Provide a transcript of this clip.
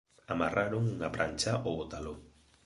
Amarraron unha prancha ó botaló.